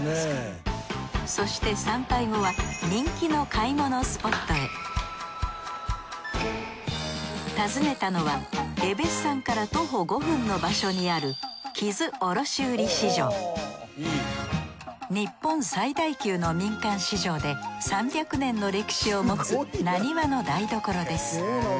そして参拝後は人気の買い物スポットへ訪ねたのはえべっさんから徒歩５分の場所にある日本最大級の民間市場で３００年の歴史を持つなにわの台所です。